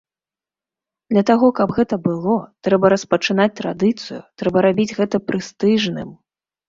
Для таго, каб гэта было, трэба распачынаць традыцыю, трэба рабіць гэта прэстыжным.